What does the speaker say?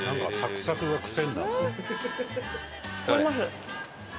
聞こえます？